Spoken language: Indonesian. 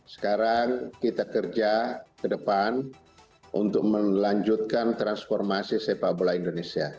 sekarang kita kerja ke depan untuk melanjutkan transformasi sepak bola indonesia